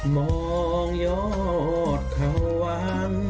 มองยอดเข้าวัน